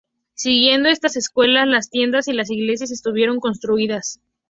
Siguiendo estas escuelas, las tiendas y las iglesias estuvieron construidas.